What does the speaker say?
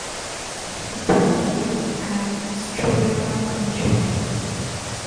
The Twin Gate at Istria Culture